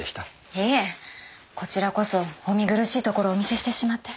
いえこちらこそお見苦しいところをお見せしてしまって。